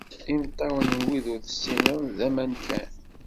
Imeṭṭawen n wid ur tessineḍ, d aman kan.